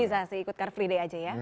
bisa sih ikut car free day aja ya